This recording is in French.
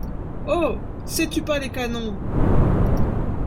Oh! sçays-tu pas les canons !...